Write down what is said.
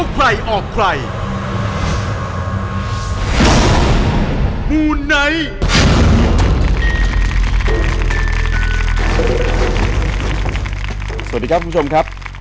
สวัสดีครับคุณผู้ชมครับ